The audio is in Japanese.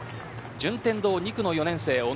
順天堂２区の４年生、大野。